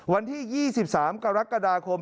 วันที่๒๓กรกฎาคม